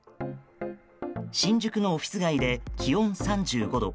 新宿のオフィス街で気温３５度。